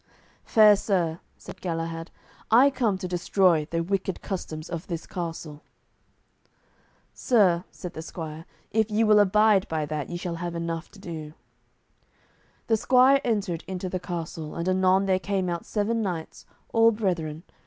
"Fair sir," said Galahad, "I come to destroy the wicked customs of this castle." "Sir," said the squire, "if ye will abide by that, ye shall have enough to do." The squire entered into the castle, and anon there came out seven knights, all brethren.